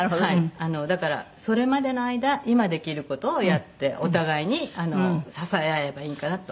だからそれまでの間今できる事をやってお互いに支え合えばいいかなと。